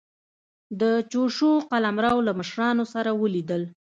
د چوشو قلمرو له مشرانو سره ولیدل.